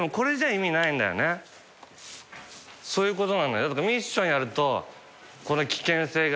そういうことなのよ。